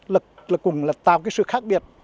lực cùng là tạo cái sự khác biệt